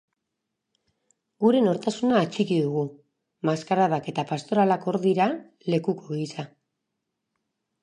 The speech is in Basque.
Gure nortasuna atxiki dugu, maskaradak eta pastoralak hor dira, lekuko gisa.